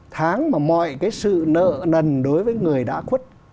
tháng mà mọi cái sự nợ nần đối với người đã khuất